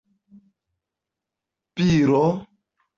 piro